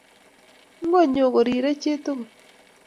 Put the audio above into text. Ngonyo korirei chii tugul